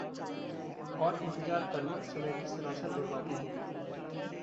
और इंतेज़ार करना समय की सरासर बर्बादी होगी।